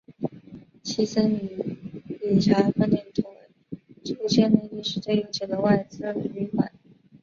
其曾与礼查饭店同为租界内历史最悠久的外资旅馆。